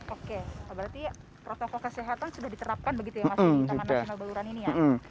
oke berarti protokol kesehatan sudah diterapkan begitu ya mas di taman nasional baluran ini ya